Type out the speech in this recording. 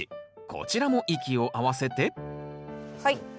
こちらも息を合わせてはい。